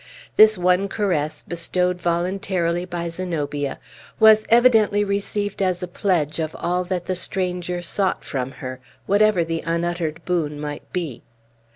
This one caress, bestowed voluntarily by Zenobia, was evidently received as a pledge of all that the stranger sought from her, whatever the unuttered boon might be.